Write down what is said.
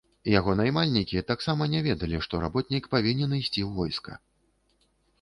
Яго наймальнікі таксама не ведалі, што работнік павінен ісці ў войска.